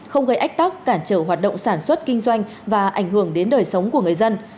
không gây ách tắc cản trở hoạt động sản xuất kinh doanh và ảnh hưởng đến đời sống của người dân